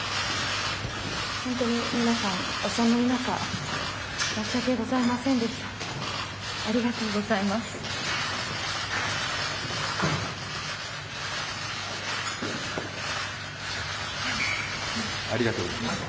本当に皆さん、お寒い中申し訳ございませんでした。